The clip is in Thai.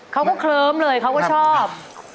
เขาก็เคลิ้มเลยเขาก็ชอบ